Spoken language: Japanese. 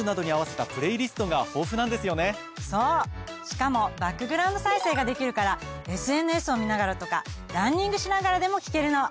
しかもバックグラウンド再生ができるからＳＮＳを見ながらとかランニングしながらでも聞けるの。